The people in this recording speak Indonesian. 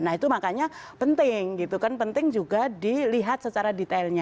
nah itu makanya penting penting juga dilihat secara detailnya